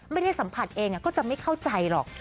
ไม่ได้สัมผัสเองก็จะไม่เข้าใจหรอก